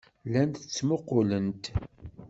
Llant ttmuqqulent.